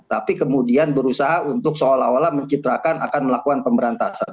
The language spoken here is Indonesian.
tapi kemudian berusaha untuk seolah olah mencitrakan akan melakukan pemberantasan